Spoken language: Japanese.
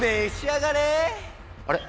あれ？